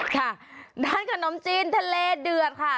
ค่ะร้านขนมจีนทะเลเดือดค่ะ